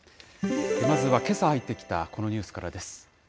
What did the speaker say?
まずはけさ入ってきた、このニュースからです。